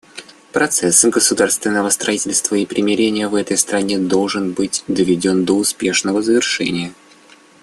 Процесс государственного строительства и примирения в этой стране должен быть доведен до успешного завершения.